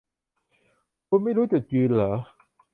คุณไม่รู้จุดยืนหรอ